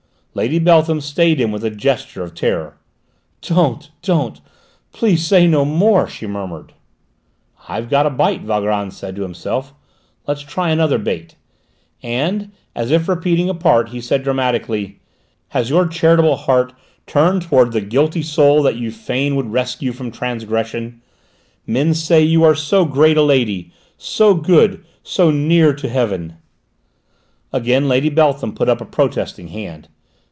Lady Beltham stayed him with a gesture of terror. "Don't! Don't! Please say no more!" she murmured. "I've got a bite," Valgrand said to himself. "Let's try another bait," and as if repeating a part he said dramatically: "Has your charitable heart turned towards the guilty soul that you fain would rescue from transgression? Men say you are so great a lady, so good, so near to heaven!" Again Lady Beltham put up a protesting hand.